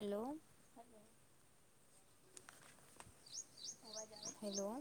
Hello [inaudible] અવાજ આવે છે મારો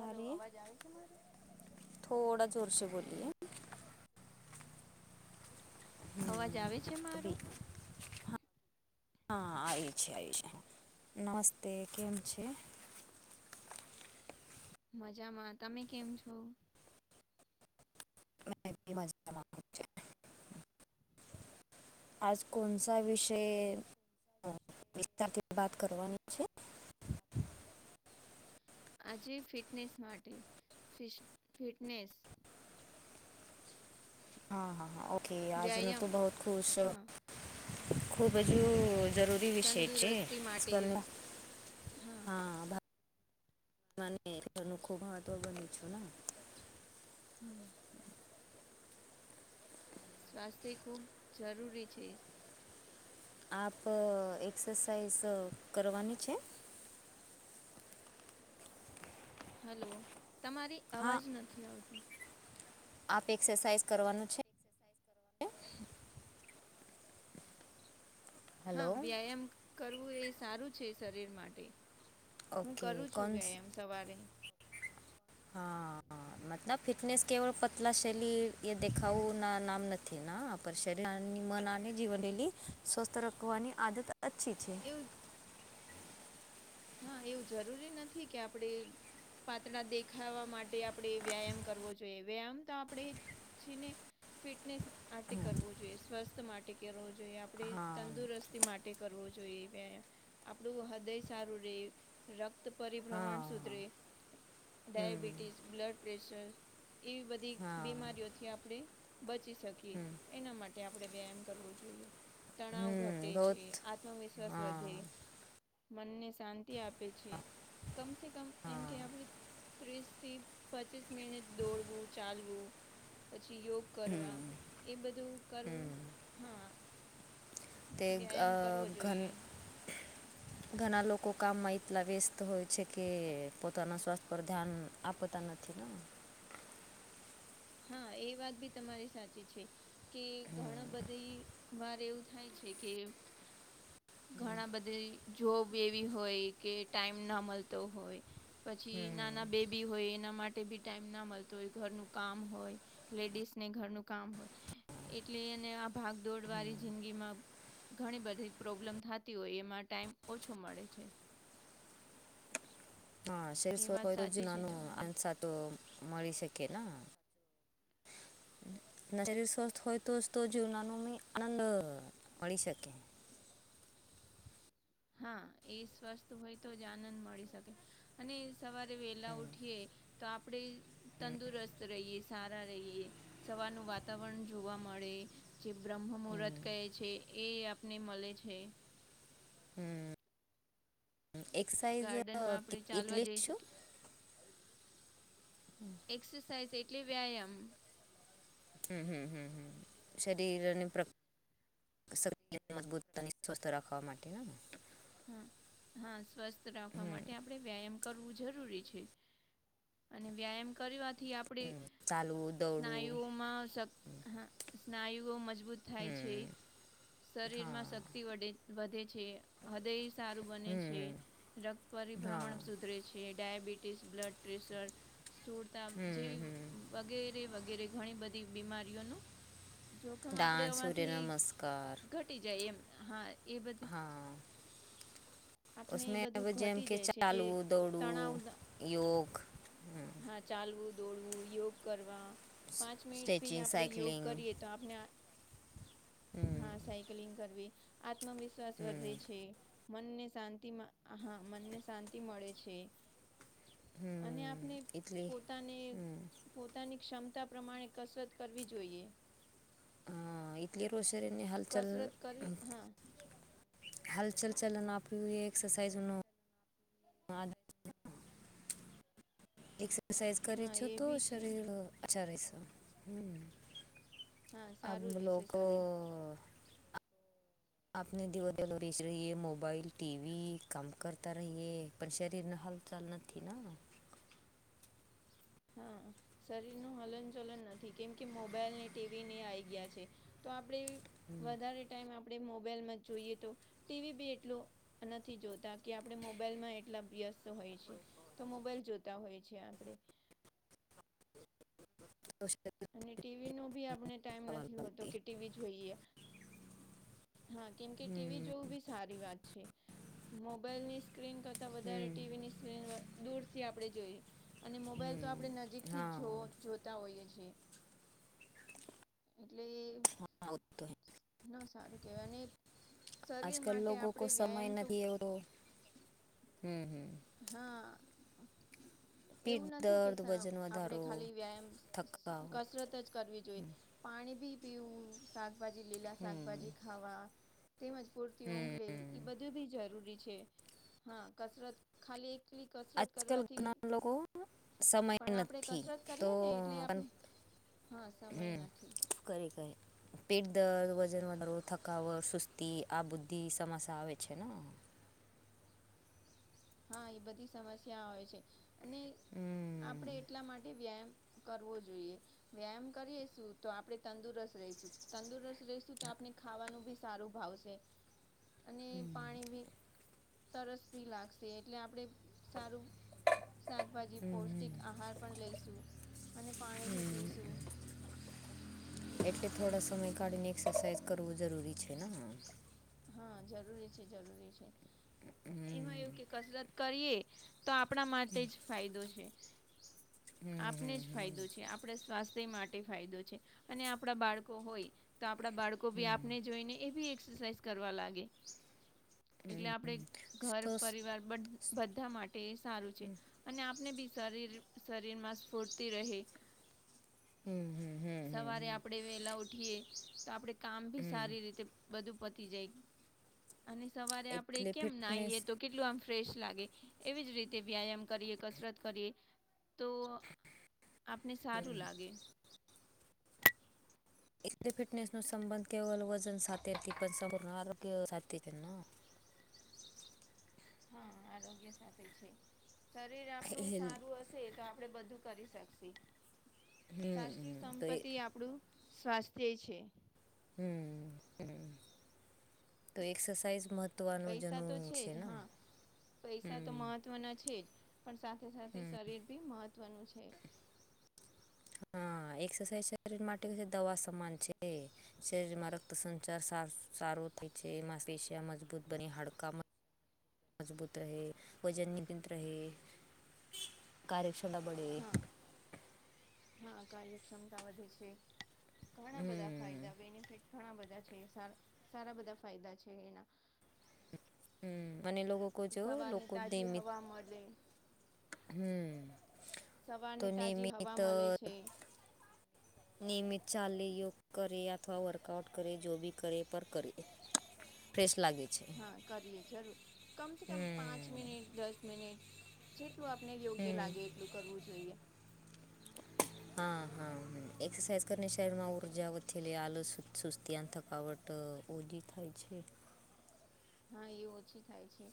હલો અવાજ આવે છે મારો થોડા જોરસે બોલીએ અવાજ આવે છે મારો અભી હા આય છે આય છે નમસ્તે કેમ છે. મજામાં. તમે કેમ છો? એ મજામાં છે. આજ કોનસા વિશે વિસ્તાર વાત કરવાની છે? આજે ફિટનેસ માટે ફિટનેસ હા, હા, હા. ઓકે, આજનું વ્યાયામ તો બહુ ખુશ છે. હા ખુબ, હજુ જરૂર વિષ છે. તંદુરસ્તી માટે હા મને ઘરનું ખુબ મહત્વ બનુ છું ને. હમ. સ્વાસ્થ્ય ખૂબ જરૂરી છે. આપ એક્સરસાઇઝ કરવાની છે. હલો, તમારી હા અવાજ નથી આવતો. આપ એક્સરસાઇઝ કરવાનું છે. હેલો હા, વ્યાયામ કરવું એ સારું છે શરીર માટે. હું ઓકે કરું છું કે, કોન્સ એમ સવારે. ના, ફિટનેસ કેવળ પતલા શૈલી એ દેખાવું ના નામ નથી, ના. પર, શરીરની, મન અને જીવનલી સ્વસ્થ રાખવાની આદત અચ્છી છે. એવું. હા, એવું જરૂરી નથી કે આપડે પાત્રળા દેખાવા માટે આપણે વ્યાયામ કરવો જોઈએ, વ્યાયામ તો આપણે. છેને? ફિટનેસ માટે કરવો જોઈએ, સ્વસ્થ માટે કરવો જોઈએ. આપણે હા તંદુરસ્ત માટે કરવુ જોઈએ. વ્યાયામ થી આપણુ હૃદય સારું રે, રક્ત પરિભ્રમણ હા સુધરે. હમ ડયાબિટીસ, બ્લડ પ્રેશર એવી બધી બીમારીઓથી આપણે બચી શકીએ. એના માટે આપણેે વ્યાયામ કરવો જોઈએ. તણાવ ઘટે હમ છે, બહુત આત્મવિશ્વાસ હા વધે. મનને શાંતિ આપે છે. કમ સે કમ, એમ હા કે આપણે ત્રીસ થી પચીસ મિનિટ દોડવું, ચાલવું, પછી યોગ કરવા, એ બધું કરવું. હા. તે વ્યાયામ કરવો ઘન જોઈએ ઘણા લોકો કામમાં એટલા વ્યસ્ત હોય છે કે પોતાના સ્વાસ્થ્ય પર ધ્યાન આપતા નથી. હા, એ વાત ભી તમારી સાચી છે. કે ઘણા બધી વાર એવું થાય છે કે ઘણા બધા જોબ એવી હોય કે ટાઈમ ના મળતો હોય. પછી નાના બેબી હોય, એના માટે બી ટાઈમ ના મળતો હોય, ઘરનું કામ હોય, લેડીસ ને ઘરનું કામ હોય. એટલે, એને આ ભાગ દોડવાળી જિંદગી માં ઘણી બધી પ્રોબ્લેમ થતી હોય, એમાં ટાઈમ ઓછો મળે છે. હા, એ શેરસવ વાત હોય તો, સાચી છે જુનાનું તમારી આશા તો મળી શકે. શરીર સ્વસ્થ હોય, તો જ તો જીવન ને આનંદ મળી શકે. હા, એ સ્વસ્થ હોય તો જ આનંદ મળી શકે, અને સવારે વેલા ઉઠીએ તો આપણેે તંદુરસ્ત રહીએ સારા રહીએ. સવારનું વાતાવરણ જોવા મળે જે બ્રહ્મ મુહૂર્ત કહે છે એ આપને મળે છે. હમ. એક્સાઇઝ ગાર્ડનમાં આપણે ચાલવા એટલે જઈ શું? શકીએ હમ. એક્સરસાાઈઝ એટલે વ્યાયામ. હમ, હમ, હમ, હમ. શરીરની અને પ્રકૃતિ શરીને મજબૂત સ્વસ્થ રાખવા માટે ને હા હા સ્વસ્થ રાખવા માટે અપ આપણે વ્યાયામ કરવું જરૂરી છે અને વ્યાયામ કરવાથી આપડે ચાલવું દોડવું સ્નાયુઓમાં શક સ્નાયુઓ મજબૂત થાય છે. શરીરમાં શક્તિ વડે વધે છે હૃદય સારું બને છે રક્ત પરિભ્રમણ હા સુધરે છે. કે ડાયાબિટીસ બ્લડ પ્રેશર સ્થૂળતા જેવી વગેરે વગેરે ઘણી બધી બીમારીઓનું જોખમ આપડે ડાન્સ એમાંથી સૂર્ય નમસ્કાર ઘટી જાય એમ હા એ બધી હા. આપને એ બધું જેમ ઘટી કે જાય છે જે ચાલવું તણાવ દોડવું યોગ [unintelligible] હા ચાલવું દોડવું યોગ કરવા પાંચ મિનિટ ભી સ્ટ્રેચિંગ આપણે યોગ સાયકલિંગ કરીએ તો આપણે આ હમ હા સાયકલિંગ કરવી આત્મવિશ્વાસ હમ વધે છે. મનને શાંતિ માં હા મનને શાંતિ મળે છે. અને હમ આપને એટલે પોતાને હમ પોતાની ક્ષમતા પ્રમાણે કસરત કરવી જોઈએ. [unintelligible] શરીરની હાલચલ કસરત કરવી હા હલચલ ચલન આપ્યું એ એક્સરસાઇઝનું એક્સરસાઇઝ કરી હા છું એ તો બી છે શરીર અચ્છા રહેશો હમ્મ. હા આવું સારું રહેશે લોકો શરીર આપને દીવો [unintelligible] રહીએ મોબાઈલ ટીવી કામ કરતા રહીએ પણ શરીર ના હાલ ચાલ નથી ના હા શરીર નું હલન ચલન નથી કેમ કે મોબાઈલ ને ટીવી ની આઈ ગયા છે. તો આપણે વધારે ટાઈમ આપણે મોબાઈલમાં જોઈએ તો ટીવી બી એટલો નથી જોતા કે આપડે મોબાઈલમાં એટલા વ્યસ્ત હોય છે. તો મોબાઈલ જોતા હોય છે આપડે. તો [unintelligible] અને ટીવી નો ભી આપણે ટાઈમ થવા નથી હોતો લાગતી કે ટીવી જોઈએ. હા કેમ કે ટીવી હમ જોવું બી સારી વાત છે મોબાઈલ ની સ્ક્રીન કાર તા વધારે હમ ટીવીની સ્ક્રીન દૂરથી આપણે જોઈએ અને મોબાઈલ તો હમ આપણે નજીકથી હા જોઓ જોતા હોઈએ છીએ. એટલે હા ઓ તો હે. ના સારું કેવાય ને આજ કલ લોકો કો સમય તો નથી [unintelligible] હમ્મ હામ. હા. એવું પીઠ નથી કે દર્દ [unintelligible] વજન આપણે વધારો ખાલી વ્યાયામ થકાવટ કસરત જ કરવી જોઈ પાણી ભી પીવું શાકભાજી લીલા હમ શાકભાજી ખાવા તેમજ પૂરતી ઊંઘ લેવી હમ એ બધું બી જરૂરી છે હા કસરત ખાલી એકલી કસરત આજકાલ કરવાથી ઘણા લોકો સમય પણ આપણેે નથી કસરત તો કરીએ ને એટલે પણ આપને હા સમય નથી. કરે કઈ પેટ દર્દ વજન વધારો થકાવટ સુસ્તી આ બુધી સમસ્યા આવે છે ના. હા એ બધી સમસ્યા હોય છે અને હમ આપણે એટલા માટે વ્યાયામ કરવો જોઈએ. વ્યાયામ કરીએશું તો આપડે તંદુરસ્ત રહીશું તંદુરસ્ત રહીશું તો આપણે ખાવાનું બી સારું ભાવશે. [inaudible] અને પાણી ભી તરસ ભી લાગશે એટલે આપડે સારું શાકભાજી પૌષ્ટિક આહાર પણ લઈશું અને પાણી ભી પીશું. એટલે થોડા સમય કાઢીને એક્સરસાઇઝ કરવું જરૂરી છે ને? હા જરૂરી છે, જરૂરી છે. એમાં એવું કે કસરત કરીએ તો આપણા માતે જ ફાયદો છે, આપને જ ફાયદો છે. આપણે સ્ વાથ્ય માટે ફાયદો છે અને આપણા બાળકો હોય, તો આપણા બાળ કો બી આપને જોઈને એ બી એક્સરસાઇઝ કરવા લાગે. એટલે આપડે ઘર સો પરિવાર બ બધા મા ટે સારું છે અને આપણે બી શરીર શરીરમાં સ્ફૂર્તિ રહે. હમ્મ હમ્મ. સવારે આપણે વેલા ઉઠીએ તો આપડે કામ બી સારી રીતે બધું પતી જાય. અને સવારે આપડે એટલે કેમ ફિટનેસ નાઈએ તો કેટલું આમ ફ્રેશ લાગે. એવી જ રીતે વ્યાયામ કરીએ, કસરત કરીએ તો, આપને સારું લાગે. એટલે ફિટનેસ નો સંબંધ કેવલ વજન સાથે નતી પણ સંપૂર્ણ આરોગ્ય સાથે છે ન? હા આરોગ્ય સાથે છે. શરીર આપણું હેલ્થ સારું હ સે તો આપણે બધું કરી શકશી. હમ સાચી હમ, તો એ સંપત્તિ આપણું સ્વાસ્થય છે. હમ્મ હમ્મ, તો એક્સરસાઇઝ મહ પૈસા તો છે જ હ, પૈસા તો હમ મહ ત્વના છે જ, પણ સાથે સાથે હમ શરીર બી મહત્ત્વનું છે. હા એક્સરસાઇઝ શરીર માટે દવા સમાન છે. શરીરમાં રક્ત સંચાર સાફ સારો થાય છે, માસેશિયા મજબૂત બને, હાડકા મજબૂત રહેે, વજન નિમિત રહે. કાર્યશાળા બળે. હા. હા કાર્યક્ષમતા વધે છે. ઘણા બધા હમ ફાયદા બેનિફિટ ઘણા બધા છે. સા સારા બધા ફાયદા છે એના. હમ્મ અને એ લોકો કો જો સવારની લોકો તાજી દૈમિત હવા મળે હમ્મ, તો સવારની તાજી નિમિત હવા મળે છે નિયમિત ચાલે યોગ કરે અથવા વર્કઆઉટ કરે જો બી કરે પર કરે. ફ્રેશ લાગે. છે હા કરીએ જરૂર. કમ સે કમ પાંચ મિનિટ, દસ મિનિટ જેટલું આપને યોગ્ય હમ લાગે એટલું કરવું જોઈએ. હા હા. એક્સરસાઇઝ કરિને શરીરમાં ઉર્જા વથેલી આલસ, સુસ્તી અન થકવટ ઓજી થાય છે. હા એ ઓછી થાય છે.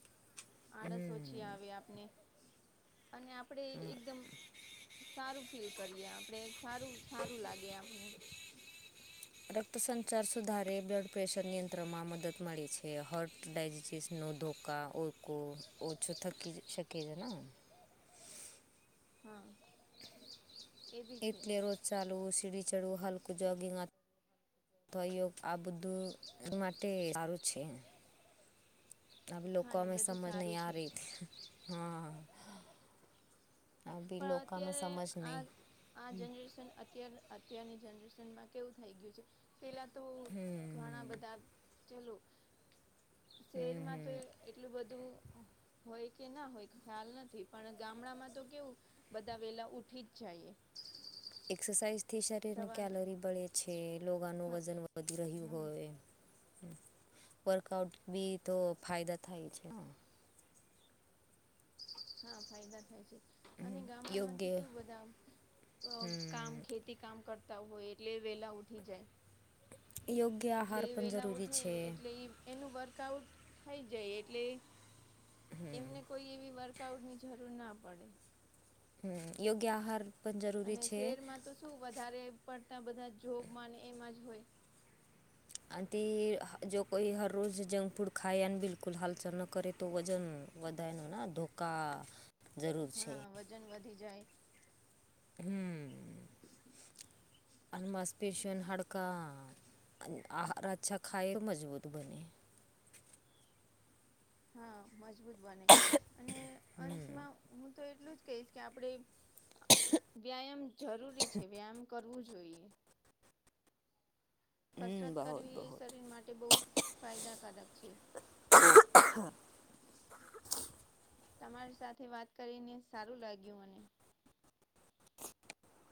આળસ ઓછી આવે આપને. અને આપડે એકદમ સારું ફીલ કરીએ આમ આપણે સારું સારું લાગે આપને. રક્તસંચાર સુધારે બ્લડ પ્રેશર નિયંત્રણમાં મદદ મળે છે, હર્ટ ડાયજટીસ નો ધોકા ઓળકો, ઓછું થકી જ શકે જ ન? હા. એ બી છે એટલે રોજ ચાલવું, સીડી ચડવું, હલકું જોગિંગ આ ભ યોગ આ બધું માટે સારું છે. આબે લોકો હા એ મે બધું સમજ નહી સારું આ છે રહી, હા. આ બી પણ લોકો અમે અત્યારે સમજ આ નહીં આ જનરેશન અત્યારે અત્યારની જનરેશન માં કેવું થઈ ગ્યું છે, પેલા તો ઘણા બધા ચલો, શેરમાં તો એટલું બધું હ હોય કે ન હોય ખ્યાલ નથી પણ ગામડામાં તો કેવું, બધા વેલા ઉઠી જ જાઈએ. એક્સરસાઇઝ થી શરીરની સવારમાં કેલરી બળે છે લોગાનું હા વજન વધી રહ્યું હા હોય. વર્કઆઉટ બી તો ફાયદા થાય છે. હા ફાયદા થાય છે અને ગામડામાં તો યોગ્ય શું બધા હમ કામ ખેતી કામ કરતા હોય એટલે વેલા ઉઠી જાય યોગ્ય એટલે આહાર એ પણ વેલા જરૂરી ઉઠે છે એટલે એ એનું વર્કઆઉટ થઈ જાય એટલે એમને કોઈ એવી વર્કઆઉટ ની જરૂર ના પડે હ યોગ્ય આહાર પણ જરૂરી અને છે શેરમાં તો શું વધારે પડતા બધા જોબ ન એમ જ હોય આ તેી હ જો કોઈ હર રોજ જંક ફૂડ ખા અને બિલકુલ હાલચ ન કરે તો વજન વધાનું ને ધોકા જરૂર છે. હા વધી જાય હમ અનેમાંસ્ પશન હાડકા આાર અચ્છા ખાય મજબૂત બને હા મજબૂત બને અને અંતમાં હું તો એટલું જ કહીશ કે આપડે વ્યાયામ જરૂરી છે વ્યાયામ કરવું જોઈએ કસરત કરવી એ શરીર માટે બહુ ફાયદાકારક છે. [unintelligible] તમારી સાથે વાત કરીને સારું લાગ્યું મને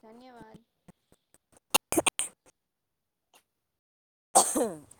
ધન્યવાદ હમ [unintelligible]